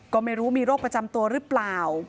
ก็ไม่รู้มีโรคประจำตัวหรือเปล่า